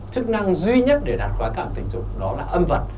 chức năng duy nhất để đạt khóa cảm tình dục đó là âm vật